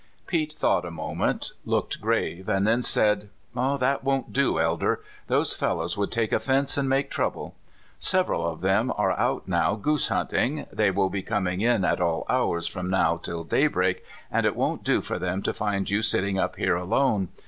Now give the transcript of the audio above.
Pete thought a moment, looked grave, and then said: " That won't do, Elder ; those fellows would take offense, and make trouble. Several of them are out now goose hunting; they will be coming in at all hours from now till daybreak, and it won't do for them to find you sitting up here alone.